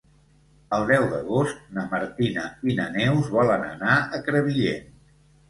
El deu d'agost na Martina i na Neus volen anar a Crevillent.